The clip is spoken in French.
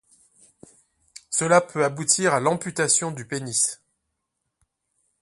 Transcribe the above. Cela peut aboutir à l'amputation du pénis.